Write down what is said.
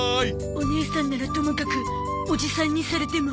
おねいさんならともかくおじさんにされても。